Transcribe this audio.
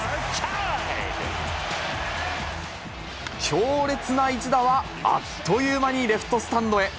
強烈な一打は、あっという間にレフトスタンドへ。